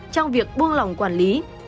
trong việc buông lỏng quản lý